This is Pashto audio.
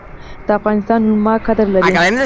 د افغانستان علما قدر لري